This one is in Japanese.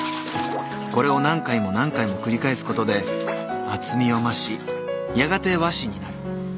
これを何回も何回も繰り返すことで厚みを増しやがて和紙になる］